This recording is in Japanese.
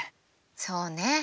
そうね